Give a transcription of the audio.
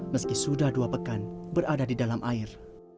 meski sudah dua pekan berada di dalam air